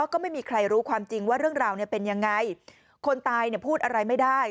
ก็ไม่มีใครรู้ความจริงว่าเรื่องราวเนี่ยเป็นยังไงคนตายเนี่ยพูดอะไรไม่ได้